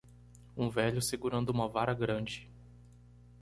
Um velho segurando uma vara grande.